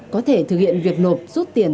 có thể thực hiện việc nộp rút tiền